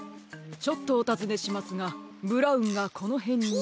ちょっとおたずねしますがブラウンがこのへんに。